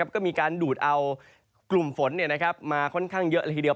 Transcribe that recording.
ก็มีการดูดเอากลุ่มฝนมาค่อนข้างเยอะละทีเดียว